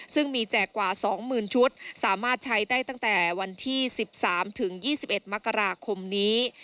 ซึ่งมีแจกกว่า๒๐๐๐ชุดสามารถใช้ได้ตั้งแต่วันที่๑๓ถึง๒๑มกราคมนี้